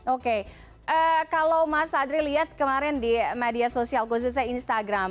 oke kalau mas adri lihat kemarin di media sosial khususnya instagram